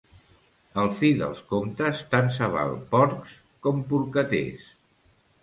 Al fi dels comptes tant se val porcs com porcaters.